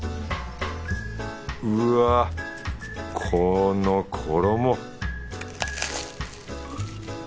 うわぁこの衣！